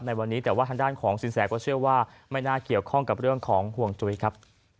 ในวันนี้แต่ว่าทางด้านของสินแสก็เชื่อว่าไม่น่าเกี่ยวข้องกับเรื่องของห่วงจุ้ยครับ